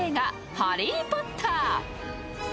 「ハリー・ポッター」。